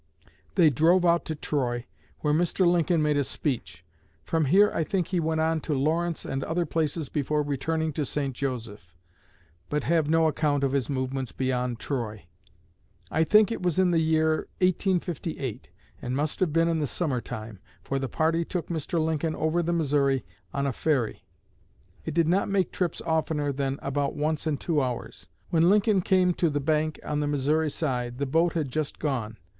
They drove out to Troy, where Mr. Lincoln made a speech. From here I think he went on to Lawrence and other places before returning to St. Joseph, but have no account of his movements beyond Troy. I think it was in the year 1858 and must have been in the summer time, for the party took Mr. Lincoln over the Missouri on a ferry. It did not make trips oftener than about once in two hours. When Lincoln came to the bank on the Missouri side the boat had just gone.